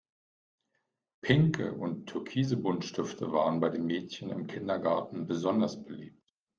Pinke und türkise Buntstifte waren bei den Mädchen im Kindergarten besonders beliebt.